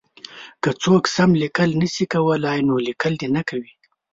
که څوک سم لیکل نه شي کولای نو لیکل دې نه کوي.